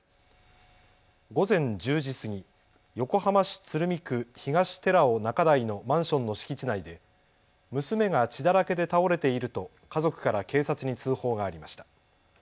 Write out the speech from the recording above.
午前１０時過ぎ横浜市鶴見区東寺尾中台のマンションの敷地内で娘が血だらけで倒れていると家族から警察に通報がありました。